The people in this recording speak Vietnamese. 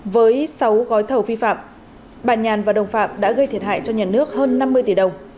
với sáu gói thầu vi phạm bà nhàn và đồng phạm đã gây thiệt hại cho nhà nước hơn năm mươi tỷ đồng